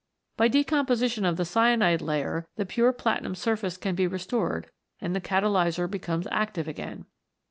By decomposition of the cyanide layer the pure plati num surface can be restored and the catalyser becomes active again.